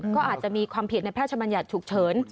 ก็อาจจะมีความผิดในแพทย์ชมัญญาติถูกเฉิน